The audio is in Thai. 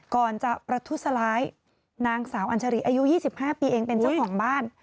ก่อนจะประทุษร้ายนางสาวอัญชรีอายุ๒๕ปีเองเป็นเจ้าของบ้าน